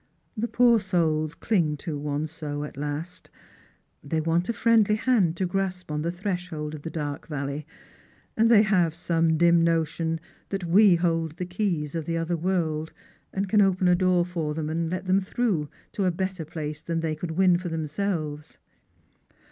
The poor souls cling to one so at last. They want a friendly hand to grasp on the threshold of the dark valley, and they have some dim notion that we hold the keys of the other world, and can open a door for them and lei them through to a better place than they could win for them selves."